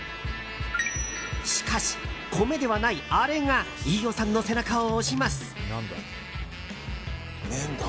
しかし、米ではないあれが飯尾さんの背中を押します。